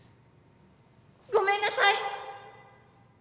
ごめんなさい。